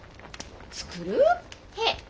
作る？へえ！